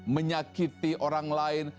menyakiti orang lain